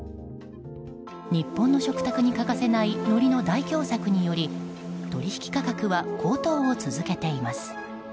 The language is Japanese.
日本の食卓に欠かせないのりの大凶作により取引価格は高騰を続けています。